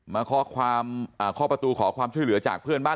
มาข้อประตูขอความช่วยเหลือจากเพื่อนบ้าน